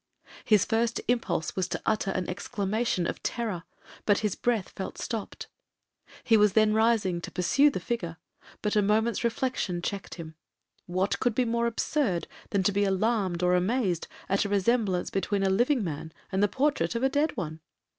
His first impulse was to utter an exclamation of terror, but his breath felt stopped. He was then rising to pursue the figure, but a moment's reflection checked him. What could be more absurd, than to be alarmed or amazed at a resemblance between a living man and the portrait of a dead one!